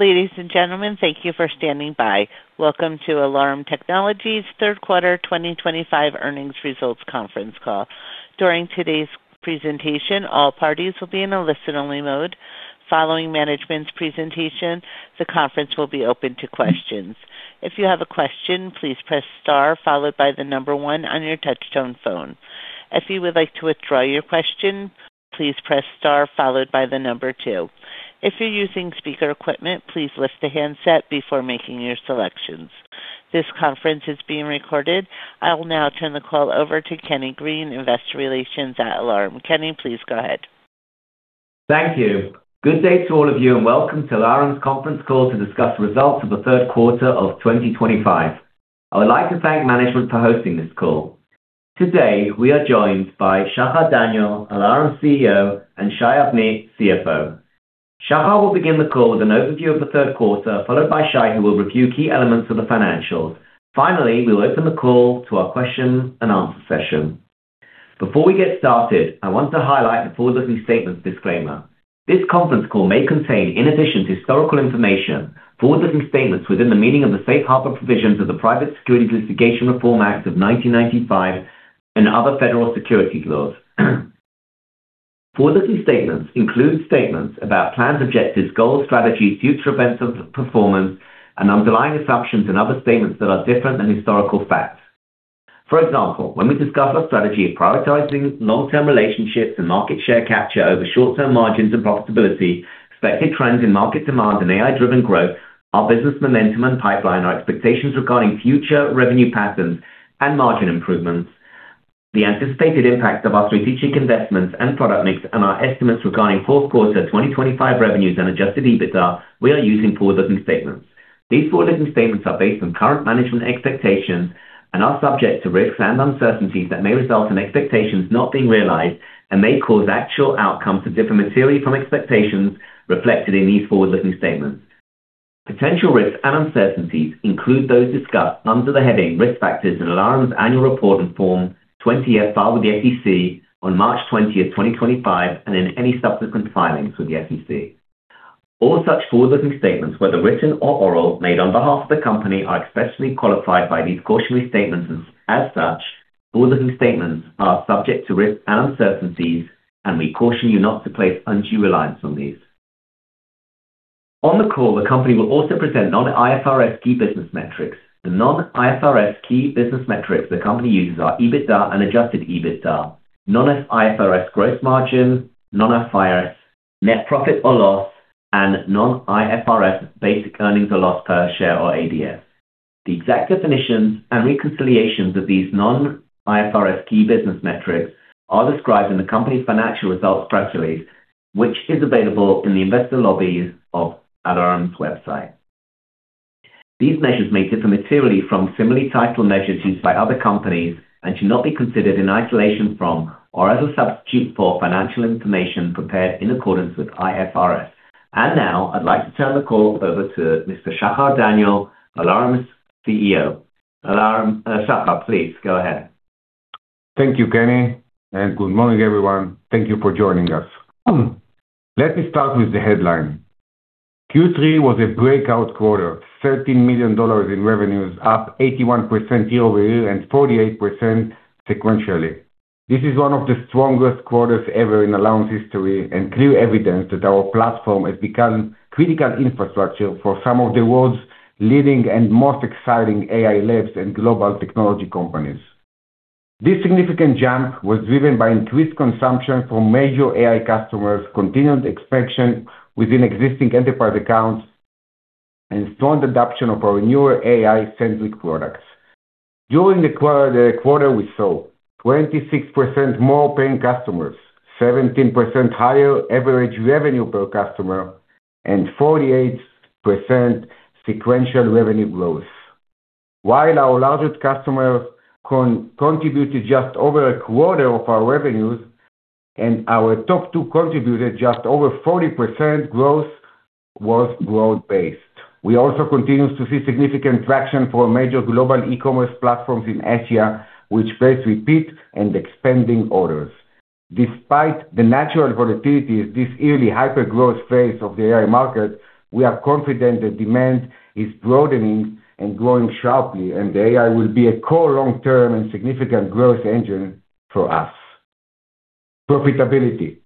Ladies and gentlemen, thank you for standing by. Welcome to Alarum Technologies' third quarter 2025 earnings results conference call. During today's presentation, all parties will be in a listen-only mode. Following management's presentation, the conference will be open to questions. If you have a question, please press star followed by the number one on your touch-tone phone. If you would like to withdraw your question, please press star followed by the number two. If you're using speaker equipment, please lift the handset before making your selections. This conference is being recorded. I will now turn the call over to Kenny Green, Investor Relations at Alarum. Kenny, please go ahead. Thank you. Good day to all of you, and welcome to Alarum's conference call to discuss results of the third quarter of 2025. I would like to thank management for hosting this call. Today, we are joined by Shachar Daniel, Alarum's CEO, and Shai Avnit, CFO. Shachar will begin the call with an overview of the third quarter, followed by Shai, who will review key elements of the financials. Finally, we'll open the call to our question-and-answer session. Before we get started, I want to highlight the forward-looking statements disclaimer. This conference call may contain inaccurate historical information, forward-looking statements within the meaning of the safe harbor provisions of the Private Securities Litigation Reform Act of 1995, and other federal security laws. Forward-looking statements include statements about plans, objectives, goals, strategies, future events or performance, and underlying assumptions and other statements that are different than historical facts. For example, when we discuss our strategy of prioritizing long-term relationships and market share capture over short-term margins and profitability, expected trends in market demand and AI-driven growth, our business momentum and pipeline, our expectations regarding future revenue patterns, and margin improvements, the anticipated impact of our strategic investments and product mix, and our estimates regarding fourth quarter 2025 revenues and adjusted EBITDA, we are using forward-looking statements. These forward-looking statements are based on current management expectations and are subject to risks and uncertainties that may result in expectations not being realized and may cause actual outcomes to differ materially from expectations reflected in these forward-looking statements. Potential risks and uncertainties include those discussed under the heading Risk Factors in Alarum Technologies' annual report and Form 20-F filed with the SEC on March 20th, 2025, and in any subsequent filings with the SEC. All such forward-looking statements, whether written or oral, made on behalf of the company, are expressly qualified by these cautionary statements. As such, forward-looking statements are subject to risks and uncertainties, and we caution you not to place undue reliance on these. On the call, the company will also present non-IFRS key business metrics. The non-IFRS key business metrics the company uses are EBITDA and adjusted EBITDA, non-IFRS gross margin, non-IFRS net profit or loss, and non-IFRS basic earnings or loss per share or ADS. The exact definitions and reconciliations of these non-IFRS key business metrics are described in the company's financial results press release, which is available in the investor lobby of Alarum's website. These measures may differ materially from similarly titled measures used by other companies and should not be considered in isolation from or as a substitute for financial information prepared in accordance with IFRS. Now, I'd like to turn the call over to Mr. Shachar Daniel, Alarum's CEO. Shachar, please go ahead. Thank you, Kenny. Good morning, everyone. Thank you for joining us. Let me start with the headline. Q3 was a breakout quarter, $13 million in revenues, up 81% year-over-year and 48% sequentially. This is one of the strongest quarters ever in Alarum's history and clear evidence that our platform has become critical infrastructure for some of the world's leading and most exciting AI labs and global technology companies. This significant jump was driven by increased consumption from major AI customers, continued expansion within existing enterprise accounts, and strong adoption of our newer AI-centric products. During the quarter, we saw 26% more paying customers, 17% higher average revenue per customer, and 48% sequential revenue growth. While our largest customers contributed just over a quarter of our revenues and our top two contributed just over 40%, growth was broad-based. We also continue to see significant traction for major global e-commerce platforms in Asia, which place repeat and expanding orders. Despite the natural volatilities this yearly hyper-growth phase of the AI market, we are confident that demand is broadening and growing sharply, and the AI will be a core long-term and significant growth engine for us. Profitability.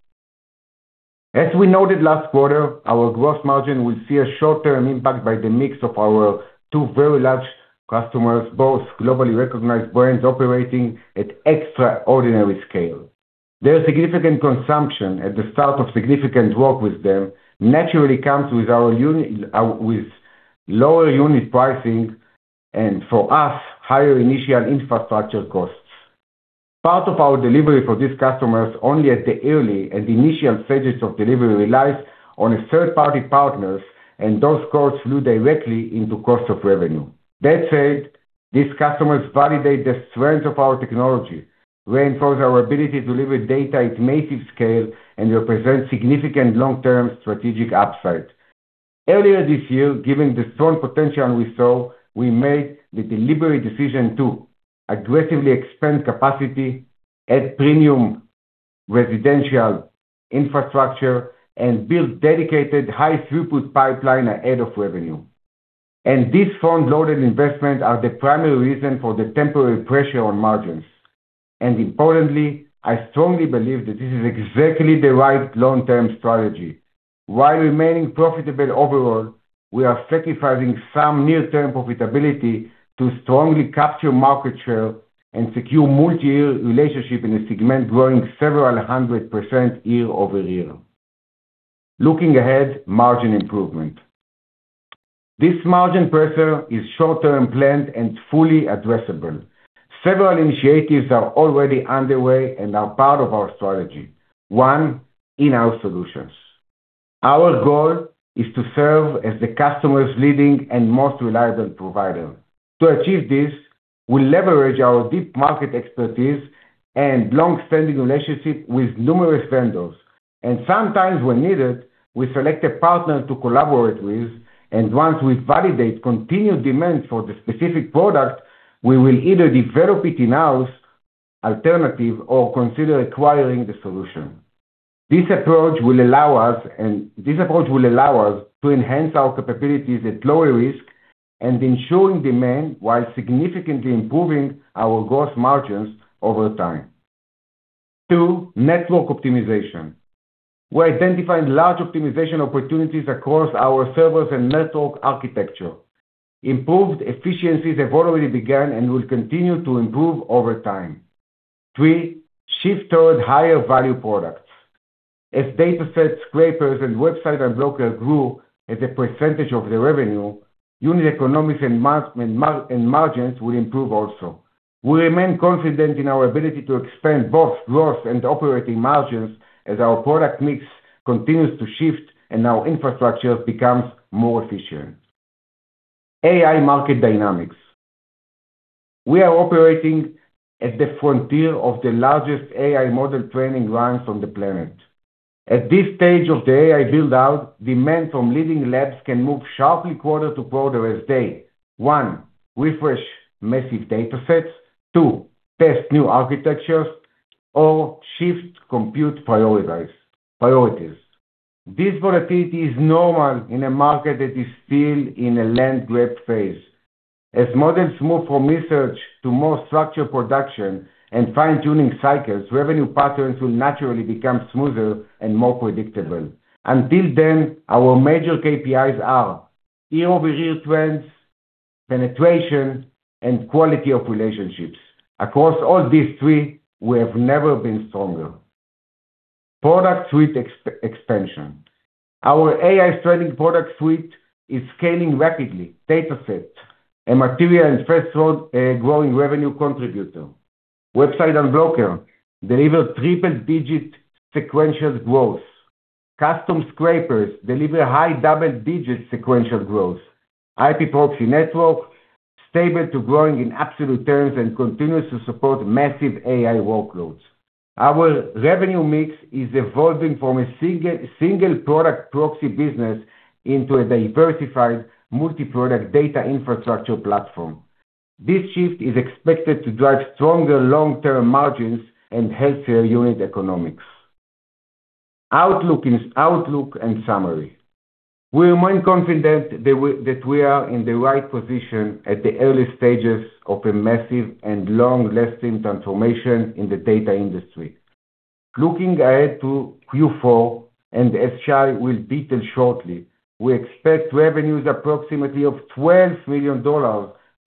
As we noted last quarter, our gross margin will see a short-term impact by the mix of our two very large customers, both globally recognized brands operating at extraordinary scale. Their significant consumption at the start of significant work with them naturally comes with our lower unit pricing and, for us, higher initial infrastructure costs. Part of our delivery for these customers, only at the early and initial stages of delivery, relies on third-party partners, and those costs flow directly into cost of revenue. That said, these customers validate the strength of our technology, reinforce our ability to deliver data at massive scale, and represent significant long-term strategic upside. Earlier this year, given the strong potential we saw, we made the deliberate decision to aggressively expand capacity, add premium residential infrastructure, and build a dedicated high-throughput pipeline ahead of revenue. These fund-loaded investments are the primary reason for the temporary pressure on margins. Importantly, I strongly believe that this is exactly the right long-term strategy. While remaining profitable overall, we are sacrificing some near-term profitability to strongly capture market share and secure multi-year relationships in a segment growing several hundred percent year-over-year. Looking ahead, margin improvement. This margin pressure is short-term planned and fully addressable. Several initiatives are already underway and are part of our strategy. One, in-house solutions. Our goal is to serve as the customer's leading and most reliable provider. To achieve this, we leverage our deep market expertise and long-standing relationships with numerous vendors. Sometimes, when needed, we select a partner to collaborate with. Once we validate continued demand for the specific product, we will either develop it in-house, alternatively, or consider acquiring the solution. This approach will allow us to enhance our capabilities at lower risk and ensuring demand while significantly improving our gross margins over time. Two, network optimization. We are identifying large optimization opportunities across our servers and network architecture. Improved efficiencies have already begun and will continue to improve over time. Three, shift toward higher value products. As Datasets, Scrapers, and Website Unblocker grow as a percentage of the revenue, unit economics and margins will improve also. We remain confident in our ability to expand both gross and operating margins as our product mix continues to shift and our infrastructure becomes more efficient. AI market dynamics. We are operating at the frontier of the largest AI model training runs on the planet. At this stage of the AI build-out, demand from leading labs can move sharply quarter to quarter as they: one, refresh massive data sets; two, test new architectures; or shift compute priorities. This volatility is normal in a market that is still in a land-grab phase. As models move from research to more structured production and fine-tuning cycles, revenue patterns will naturally become smoother and more predictable. Until then, our major KPIs are year-over-year trends, penetration, and quality of relationships. Across all these three, we have never been stronger. Product suite expansion. Our AI-strengthened product suite is scaling rapidly. Dataset, a material and fast-growing revenue contributor. Website Unblocker deliver triple-digit sequential growth. Custom Scrapers deliver high double-digit sequential growth. IP Proxy Network stable to growing in absolute terms and continues to support massive AI workloads. Our revenue mix is evolving from a single product proxy business into a diversified multi-product data infrastructure platform. This shift is expected to drive stronger long-term margins and healthier unit economics. Outlook and summary. We remain confident that we are in the right position at the early stages of a massive and long-lasting transformation in the data industry. Looking ahead to Q4, and as Shai will detail shortly, we expect revenues approximately of $12 million,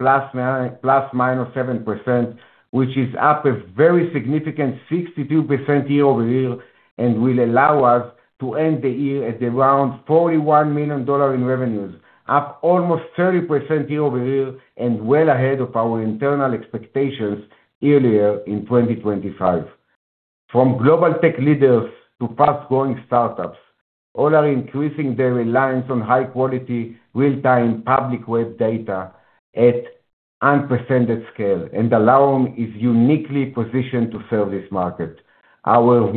±7%, which is up a very significant 62% year-over-year and will allow us to end the year at around $41 million in revenues, up almost 30% year-over-year and well ahead of our internal expectations earlier in 2025. From global tech leaders to fast-growing startups, all are increasing their reliance on high-quality, real-time public web data at unprecedented scale, and Alarum is uniquely positioned to serve this market. Our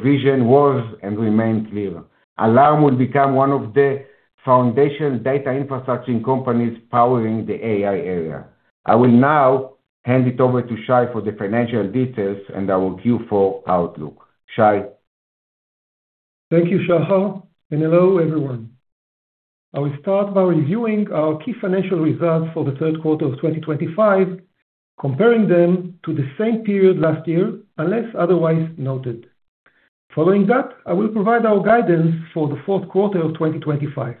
vision was and remains clear. Alarum will become one of the foundation data infrastructuring companies powering the AI area. I will now hand it over to Shai for the financial details and our Q4 outlook. Shai. Thank you, Shachar, and hello, everyone. I will start by reviewing our key financial results for the third quarter of 2025, comparing them to the same period last year, unless otherwise noted. Following that, I will provide our guidance for the fourth quarter of 2025.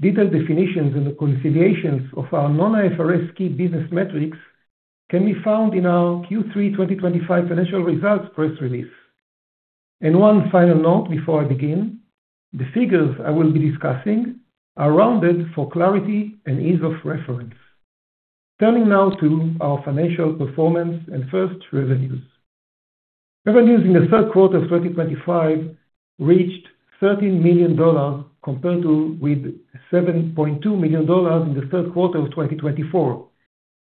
Detailed definitions and the reconciliations of our non-IFRS key business metrics can be found in our Q3 2025 financial results press release. One final note before I begin, the figures I will be discussing are rounded for clarity and ease of reference. Turning now to our financial performance and first revenues. Revenues in the third quarter of 2025 reached $13 million compared with $7.2 million in the third quarter of 2024,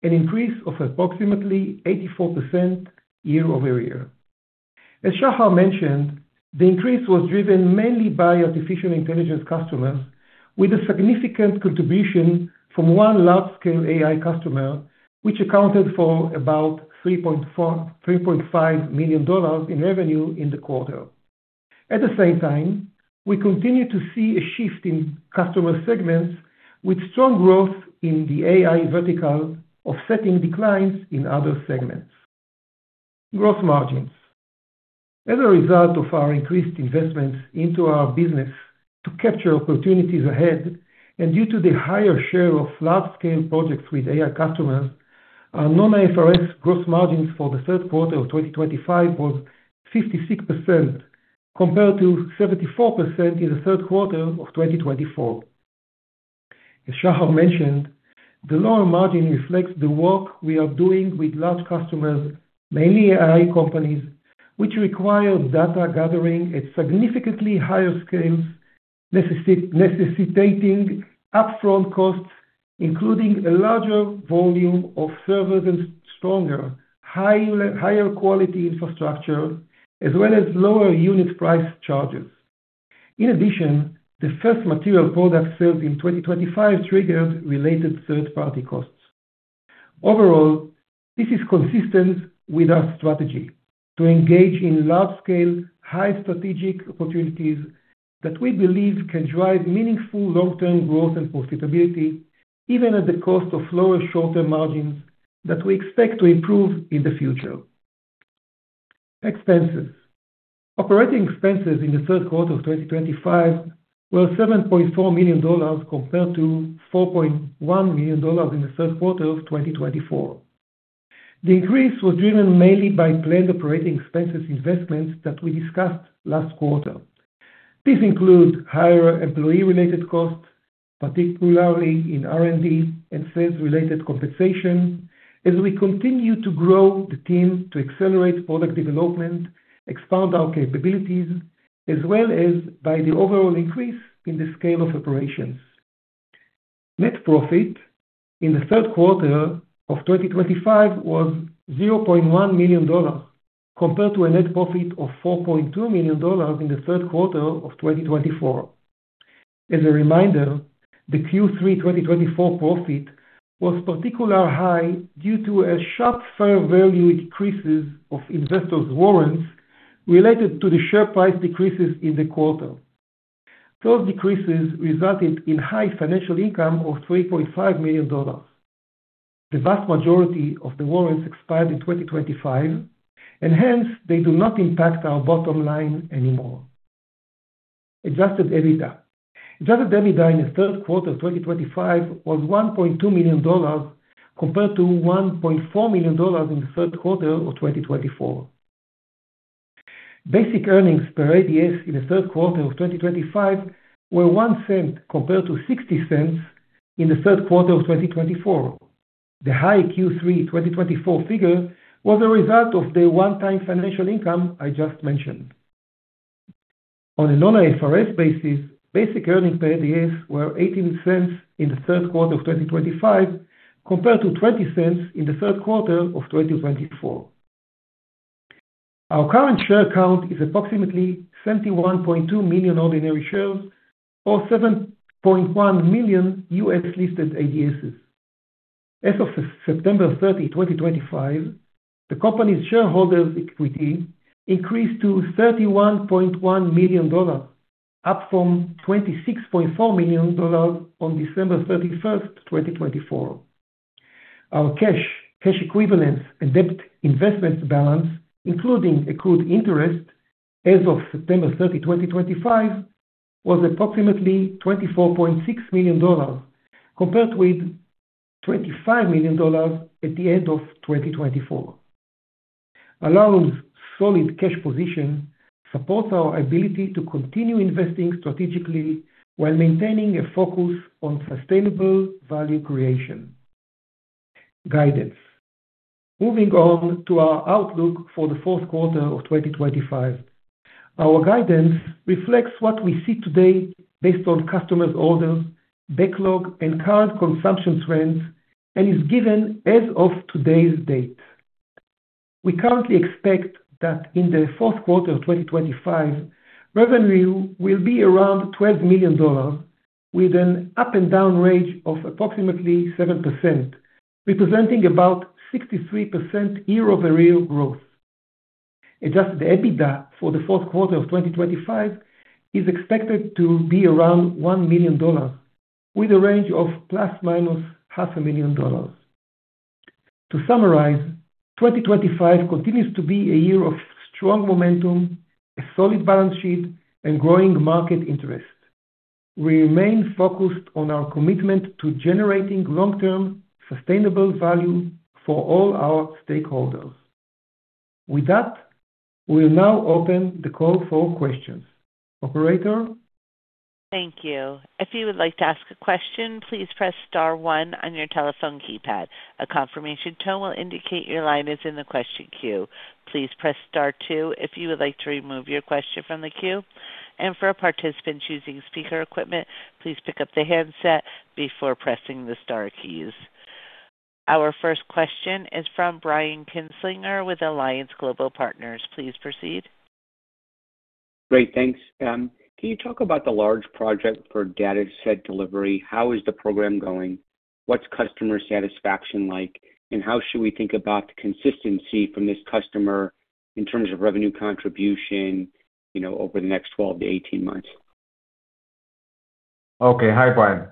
an increase of approximately 84% year-over-year. As Shachar mentioned, the increase was driven mainly by artificial intelligence customers, with a significant contribution from one large-scale AI customer, which accounted for about $3.5 million in revenue in the quarter. At the same time, we continue to see a shift in customer segments, with strong growth in the AI vertical offsetting declines in other segments. Gross margins. As a result of our increased investments into our business to capture opportunities ahead and due to the higher share of large-scale projects with AI customers, our non-IFRS gross margins for the third quarter of 2025 was 56% compared to 74% in the third quarter of 2024. As Shachar mentioned, the lower margin reflects the work we are doing with large customers, mainly AI companies, which require data gathering at significantly higher scales, necessitating upfront costs, including a larger volume of servers and stronger, higher quality infrastructure, as well as lower unit price charges. In addition, the first material product sales in 2025 triggered related third-party costs. Overall, this is consistent with our strategy to engage in large-scale, high-strategic opportunities that we believe can drive meaningful long-term growth and profitability, even at the cost of lower short-term margins that we expect to improve in the future. Expenses. Operating expenses in the third quarter of 2025 were $7.4 million compared to $4.1 million in the third quarter of 2024. The increase was driven mainly by planned operating expenses investments that we discussed last quarter. This includes higher employee-related costs, particularly in R&D and sales-related compensation, as we continue to grow the team to accelerate product development, expand our capabilities, as well as by the overall increase in the scale of operations. Net profit in the third quarter of 2025 was $0.1 million compared to a net profit of $4.2 million in the third quarter of 2024. As a reminder, the Q3 2024 profit was particularly high due to sharp fair value decreases of investors' warrants related to the share price decreases in the quarter. Those decreases resulted in high financial income of $3.5 million. The vast majority of the warrants expired in 2025, and hence, they do not impact our bottom line anymore. Adjusted EBITDA. Adjusted EBITDA in the third quarter of 2025 was $1.2 million compared to $1.4 million in the third quarter of 2024. Basic earnings per ADS in the third quarter of 2025 were $0.01 compared to $0.60 in the third quarter of 2024. The high Q3 2024 figure was a result of the one-time financial income I just mentioned. On a non-IFRS basis, basic earnings per ADS were $0.18 in the third quarter of 2025 compared to $0.20 in the third quarter of 2024. Our current share count is approximately 71.2 million ordinary shares or 7.1 million US-listed ADSs. As of September 30, 2025, the company's shareholders' equity increased to $31.1 million, up from $26.4 million on December 31st, 2024. Our cash, cash equivalents, and debt investment balance, including accrued interest as of September 30, 2025, was approximately $24.6 million compared with $25 million at the end of 2024. Alarum's solid cash position supports our ability to continue investing strategically while maintaining a focus on sustainable value creation. Guidance. Moving on to our outlook for the fourth quarter of 2025. Our guidance reflects what we see today based on customers' orders, backlog, and current consumption trends and is given as of today's date. We currently expect that in the fourth quarter of 2025, revenue will be around $12 million, with an up-and-down range of approximately 7%, representing about 63% year-over-year growth. Adjusted EBITDA for the fourth quarter of 2025 is expected to be around $1 million, with a range of ±$500,000. To summarize, 2025 continues to be a year of strong momentum, a solid balance sheet, and growing market interest. We remain focused on our commitment to generating long-term sustainable value for all our stakeholders. With that, we'll now open the call for questions. Operator. Thank you. If you would like to ask a question, please press star one on your telephone keypad. A confirmation tone will indicate your line is in the question queue. Please press star two if you would like to remove your question from the queue. For a participant using speaker equipment, please pick up the handset before pressing the star keys. Our first question is from Brian Kintslinger with Alliance Global Partners. Please proceed. Great. Thanks. Can you talk about the large project for Dataset delivery? How is the program going? What's customer satisfaction like? How should we think about the consistency from this customer in terms of revenue contribution over the next 12 to 18 months? Okay. Hi, Brian.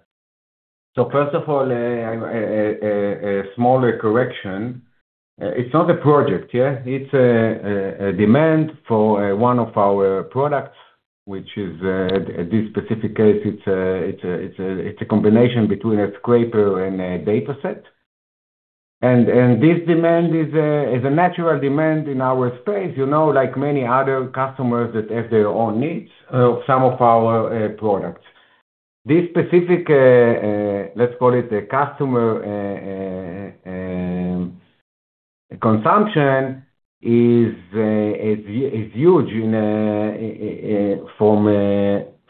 First of all, a smaller correction. It's not a project, yeah? It's a demand for one of our products, which is, in this specific case, a combination between a scraper and a dataset. This demand is a natural demand in our space, like many other customers that have their own needs of some of our products. This specific, let's call it the customer consumption, is huge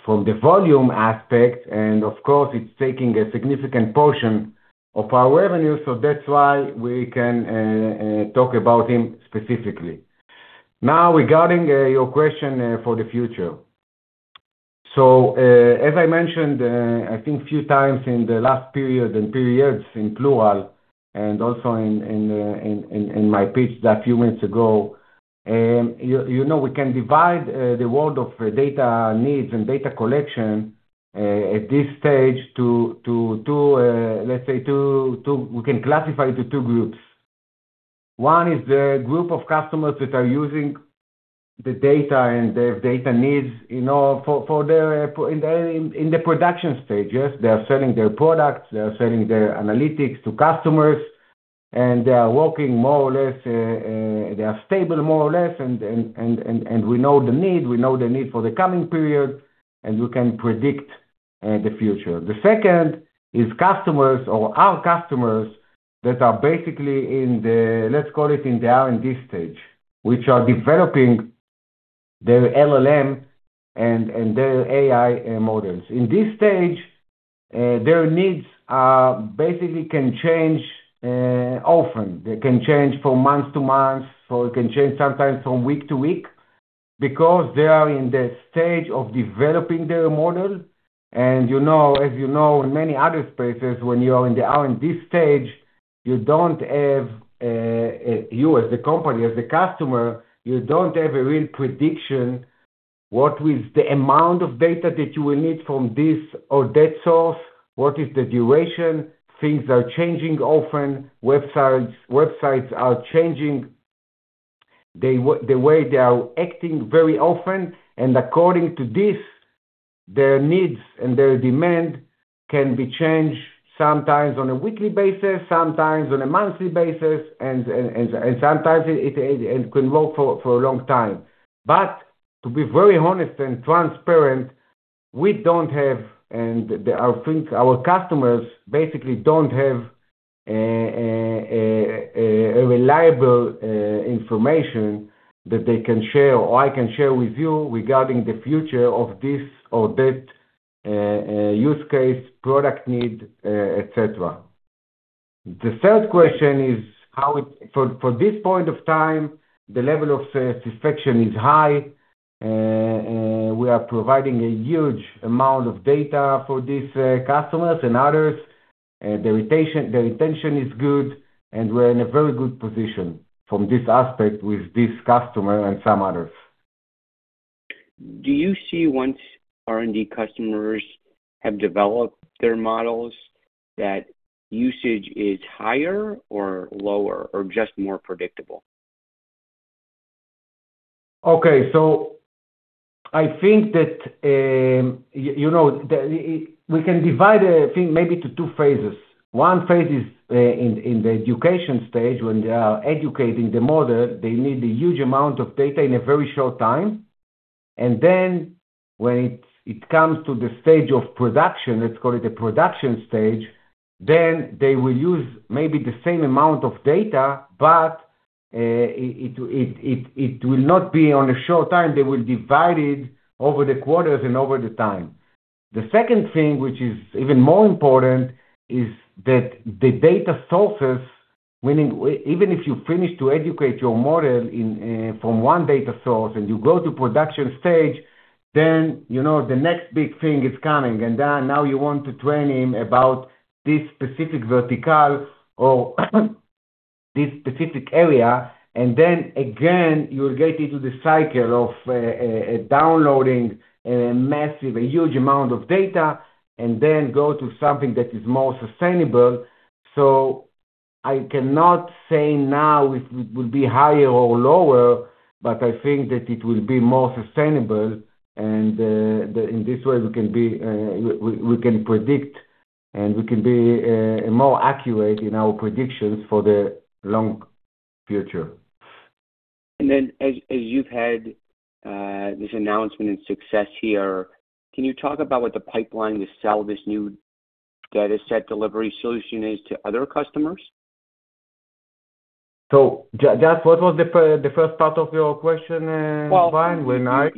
from the volume aspect. Of course, it's taking a significant portion of our revenue, so that's why we can talk about it specifically. Now, regarding your question for the future. As I mentioned, I think a few times in the last period and periods in plural and also in my pitch a few minutes ago, we can divide the world of data needs and data collection at this stage to, let's say, we can classify it into two groups. One is the group of customers that are using the data and their data needs for their in the production stage. Yes, they are selling their products, they are selling their analytics to customers, and they are working more or less, they are stable more or less, and we know the need, we know the need for the coming period, and we can predict the future. The second is customers or our customers that are basically in the, let's call it in the R&D stage, which are developing their LLM and their AI models. In this stage, their needs basically can change often. They can change from month to month, or it can change sometimes from week to week because they are in the stage of developing their model. And as you know, in many other spaces, when you are in the R&D stage, you don't have, you as the company, as the customer, you don't have a real prediction what is the amount of data that you will need from this or that source, what is the duration, things are changing often, websites are changing the way they are acting very often. According to this, their needs and their demand can be changed sometimes on a weekly basis, sometimes on a monthly basis, and sometimes it can work for a long time. To be very honest and transparent, we don't have, and I think our customers basically don't have reliable information that they can share or I can share with you regarding the future of this or that use case, product need, etc. The third question is how it, for this point of time, the level of satisfaction is high. We are providing a huge amount of data for these customers and others. Their retention is good, and we're in a very good position from this aspect with this customer and some others. Do you see once R&D customers have developed their models that usage is higher or lower or just more predictable? Okay. I think that we can divide it, I think, maybe to two phases. One phase is in the education stage when they are educating the model. They need a huge amount of data in a very short time. When it comes to the stage of production, let's call it the production stage, they will use maybe the same amount of data, but it will not be in a short time. They will divide it over the quarters and over the time. The second thing, which is even more important, is that the data sources, meaning even if you finish to educate your model from one data source and you go to production stage, the next big thing is coming. Now you want to train him about this specific vertical or this specific area. You'll get into the cycle of downloading a massive, a huge amount of data and then go to something that is more sustainable. I cannot say now it will be higher or lower, but I think that it will be more sustainable. In this way, we can predict and we can be more accurate in our predictions for the long future. As you've had this announcement and success here, can you talk about what the pipeline to sell this new Dataset delivery solution is to other customers? Just what was the first part of your question, Brian? When I.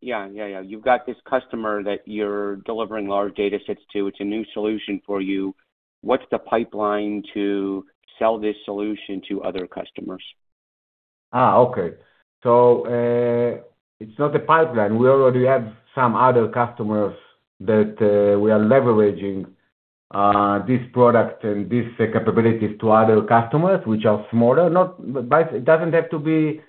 Yeah, yeah, yeah. You've got this customer that you're delivering large data sets to. It's a new solution for you. What's the pipeline to sell this solution to other customers? Okay. So it's not the pipeline. We already have some other customers that we are leveraging this product and these capabilities to other customers, which are smaller. It doesn't have to be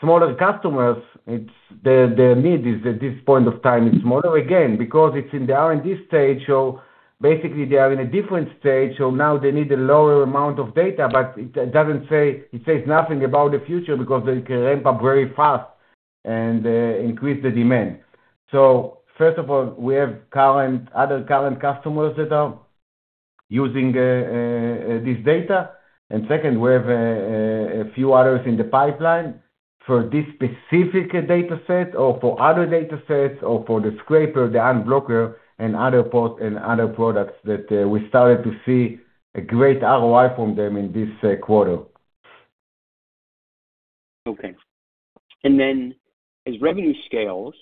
smaller customers. The need is at this point of time is smaller. Again, because it's in the R&D stage, so basically, they are in a different stage. Now they need a lower amount of data, but it doesn't say, it says nothing about the future because they can ramp up very fast and increase the demand. First of all, we have other current customers that are using this data. Second, we have a few others in the pipeline for this specific Dataset or for other Datasets or for the Scraper, the Website Unblocker, and other products that we started to see a great ROI from them in this quarter. Okay. As revenue scales,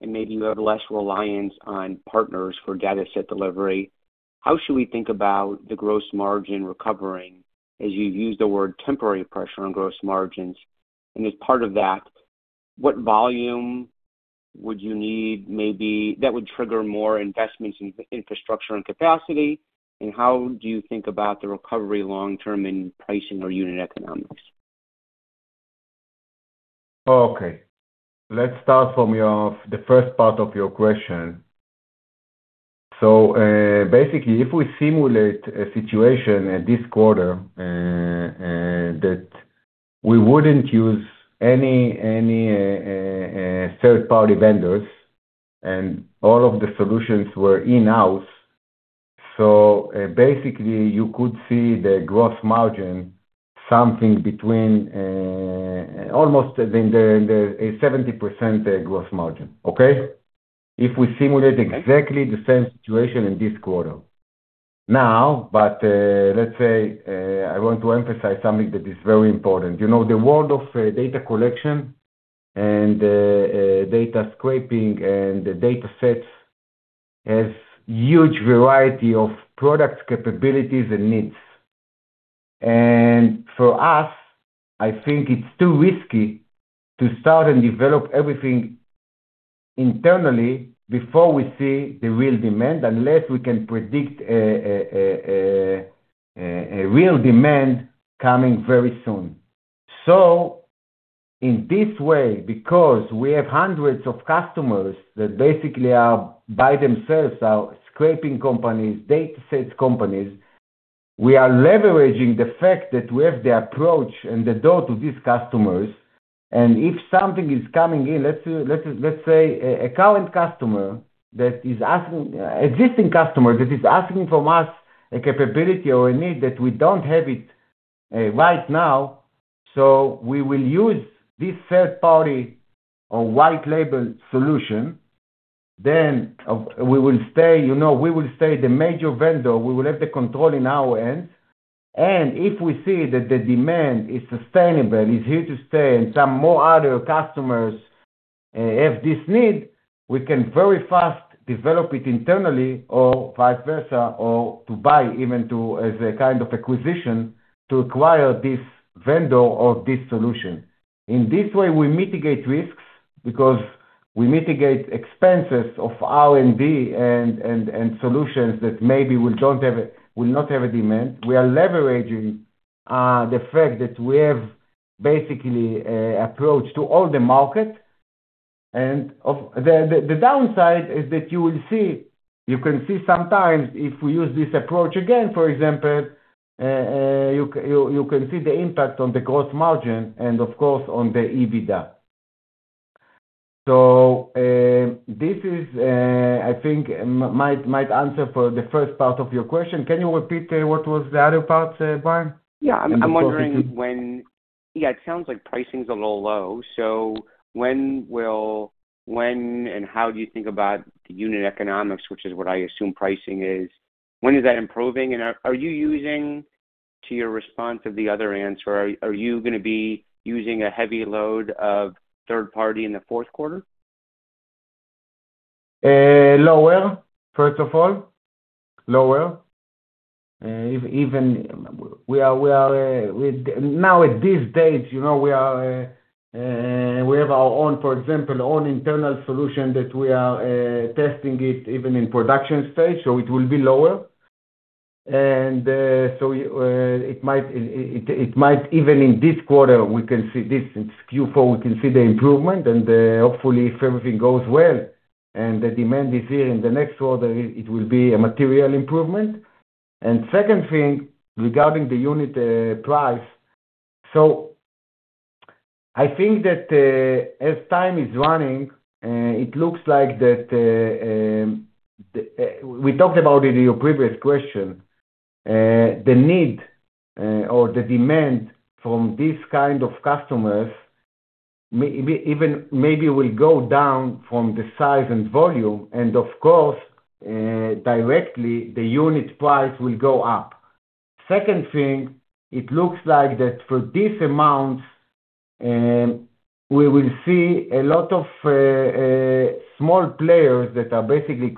and maybe you have less reliance on partners for Dataset delivery, how should we think about the gross margin recovering as you've used the word temporary pressure on gross margins? As part of that, what volume would you need maybe that would trigger more investments in infrastructure and capacity? How do you think about the recovery long-term in pricing or unit economics? Okay. Let's start from the first part of your question. Basically, if we simulate a situation this quarter that we wouldn't use any third-party vendors and all of the solutions were in-house, you could see the gross margin something between almost a 70% gross margin, if we simulate exactly the same situation in this quarter. I want to emphasize something that is very important. The world of data collection and data scraping and data sets has a huge variety of product capabilities and needs. For us, I think it's too risky to start and develop everything internally before we see the real demand unless we can predict a real demand coming very soon. In this way, because we have hundreds of customers that basically are by themselves scraping companies, data sets companies, we are leveraging the fact that we have the approach and the door to these customers. If something is coming in, let's say a current customer that is asking, an existing customer that is asking from us a capability or a need that we don't have right now, we will use this third-party or white-label solution. We will stay the major vendor. We will have the control in our hands. If we see that the demand is sustainable, is here to stay, and some more other customers have this need, we can very fast develop it internally or vice versa or to buy even as a kind of acquisition to acquire this vendor or this solution. In this way, we mitigate risks because we mitigate expenses of R&D and solutions that maybe will not have a demand. We are leveraging the fact that we have basically an approach to all the market. The downside is that you will see you can see sometimes if we use this approach again, for example, you can see the impact on the gross margin and, of course, on the EBITDA. This is, I think, my answer for the first part of your question. Can you repeat what was the other part, Brian? Yeah. I'm wondering when, yeah, it sounds like pricing's a little low. When will and how do you think about the unit economics, which is what I assume pricing is? When is that improving? Are you using, to your response of the other answer, are you going to be using a heavy load of third-party in the fourth quarter? Lower, first of all. Lower. Even we are now at this stage, we have our own, for example, own internal solution that we are testing it even in production stage, so it will be lower. It might even in this quarter, we can see this in Q4, we can see the improvement. Hopefully, if everything goes well and the demand is here in the next quarter, it will be a material improvement. Second thing regarding the unit price, I think that as time is running, it looks like that we talked about it in your previous question. The need or the demand from these kind of customers even maybe will go down from the size and volume. Of course, directly, the unit price will go up. Second thing, it looks like that for this amount, we will see a lot of small players that are basically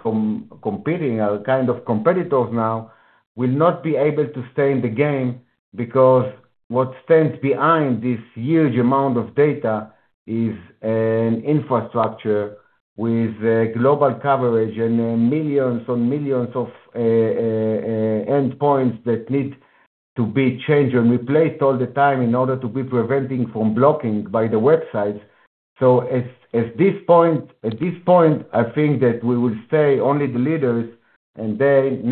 competing or kind of competitors now will not be able to stay in the game because what stands behind this huge amount of data is an infrastructure with global coverage and millions on millions of endpoints that need to be changed and replaced all the time in order to be preventing from blocking by the websites. At this point, I think that we will stay only the leaders, and then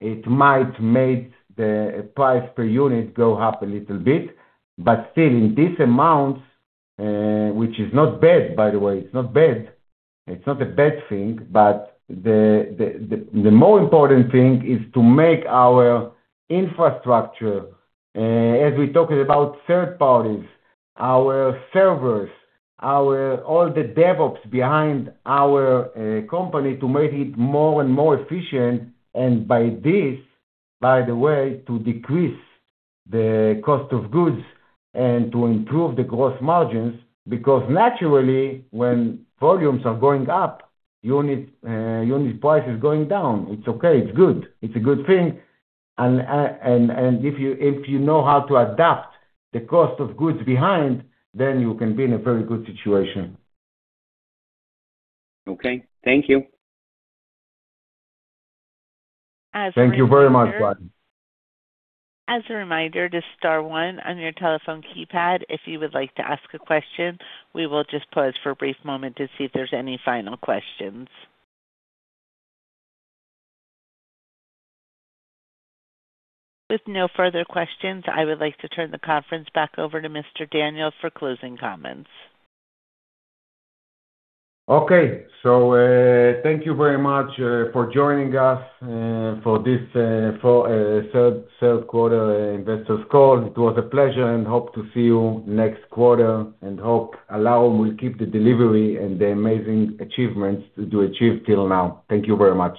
naturally, it might make the price per unit go up a little bit. Still, in this amount, which is not bad, by the way, it's not bad. It's not a bad thing, but the more important thing is to make our infrastructure, as we talked about third parties, our servers, all the DevOps behind our company to make it more and more efficient. By this, by the way, to decrease the cost of goods and to improve the gross margins because naturally, when volumes are going up, unit price is going down. It's okay. It's good. It's a good thing. If you know how to adapt the cost of goods behind, then you can be in a very good situation. Okay. Thank you. Thank you very much, Brian. As a reminder, just star one on your telephone keypad, if you would like to ask a question. We will just pause for a brief moment to see if there's any final questions. With no further questions, I would like to turn the conference back over to Mr. Daniel for closing comments. Thank you very much for joining us for this third quarter investors call. It was a pleasure and hope to see you next quarter and hope Alarum will keep the delivery and the amazing achievements that you achieved till now. Thank you very much.